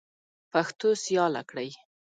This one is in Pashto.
پښتو سیاله کړئ.